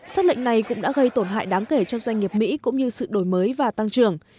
xác lệnh này cũng đã gây tổn hại đáng kể cho doanh nghiệp mỹ cũng như sự đổi mới và tăng trưởng